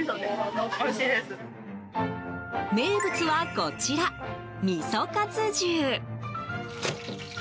名物はこちら、みそかつ重。